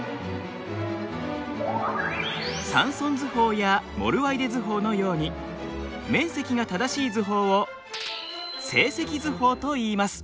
サンソン図法やモルワイデ図法のように面積が正しい図法を正積図法といいます。